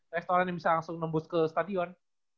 pes toren yang bisa langsung nembus ke stadion